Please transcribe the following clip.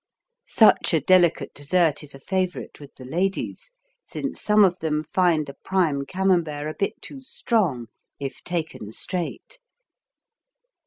Such a delicate dessert is a favorite with the ladies, since some of them find a prime Camembert a bit too strong if taken straight.